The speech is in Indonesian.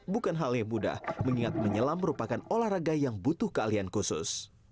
bukan hal yang mudah mengingat menyelam merupakan olahraga yang butuh keahlian khusus